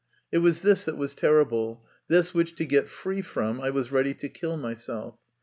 It was this that was terrible this which to get free from I was ready to kill myself.